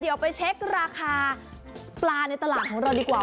เดี๋ยวไปเช็คราคาปลาในตลาดของเราดีกว่า